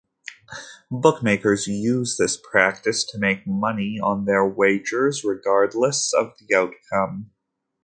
Bookmakers use this practice to make money on their wagers regardless of the outcome.